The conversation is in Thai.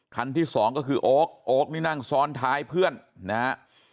คันที่สองก็คือโอ๊คโอ๊คนี่นั่งซ้อนท้ายเพื่อนนะฮะ